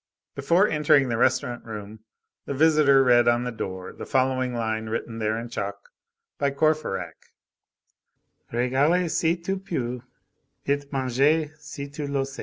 Before entering the restaurant room, the visitor read on the door the following line written there in chalk by Courfeyrac:— Régale si tu peux et mange si tu l'oses.